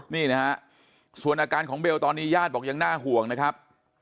นี่นะฮะส่วนอาการของเบลตอนนี้ญาติบอกยังน่าห่วงนะครับ